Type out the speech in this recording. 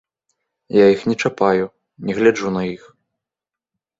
Я іх не чапаю, не гляджу на іх.